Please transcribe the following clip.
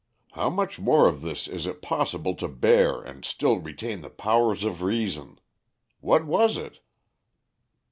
How much more of this is it possible to bear and still retain the powers of reason? What was it?"